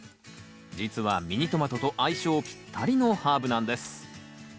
実はミニトマトと相性ぴったりのハーブなんです！